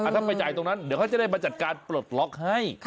ถ้าไปจ่ายตรงนั้นเดี๋ยวเขาจะได้มาจัดการปลดล็อกให้